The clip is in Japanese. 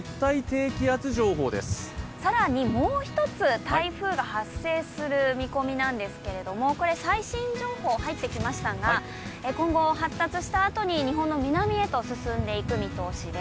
更にもう１つ台風が発生する見込みなんですけどこれ、最新情報、入ってきましたが今後発達したあとに日本の南へと進んでいく見通しです。